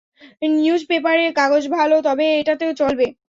নিউজপেপারের কাগজ ভাল, তবে এটাতেও চলবে।